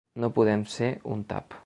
No podem ser un tap.